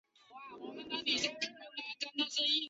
率领所部开赴俄国内战东线作战。